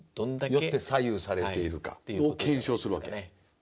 よって左右されているかを検証するわけ。